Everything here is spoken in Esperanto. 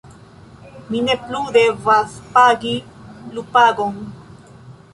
mi ne plu devas pagi lupagon.